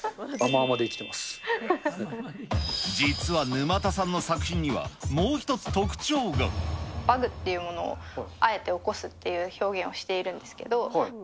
実は沼田さんの作品には、バグっていうものをあえて起こすっていう表現をしているんですけど。